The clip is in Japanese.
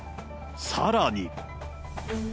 さらに。